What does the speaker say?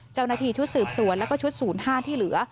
เจ้าหน้าที่ชุดสืบสวนแล้วก็ชุด๐๕ที่เหลือ